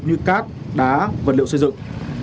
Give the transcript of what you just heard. như cát đá vật liệu xây dựng